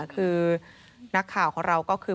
คือนักข่าวของเราก็คือ